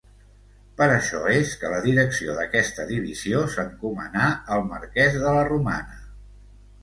Per això és que la direcció d'aquesta divisió s'encomanà al marquès de la Romana.